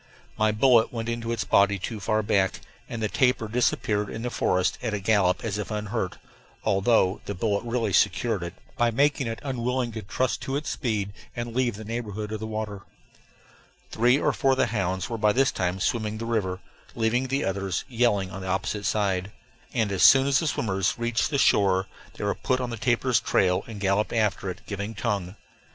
My bullet went into its body too far back, and the tapir disappeared in the forest at a gallop as if unhurt, although the bullet really secured it, by making it unwilling to trust to its speed and leave the neighborhood of the water. Three or four of the hounds were by this time swimming the river, leaving the others yelling on the opposite side; and as soon as the swimmers reached the shore they were put on the tapir's trail and galloped after it, giving tongue.